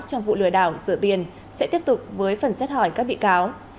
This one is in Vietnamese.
trong vụ lừa đảo rửa tiền sẽ tiếp tục với phần xét hỏi các bị cáo